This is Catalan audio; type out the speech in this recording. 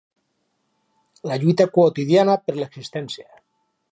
La lluita quotidiana per l'existència.